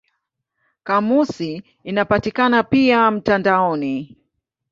Kamusi inapatikana pia mtandaoni.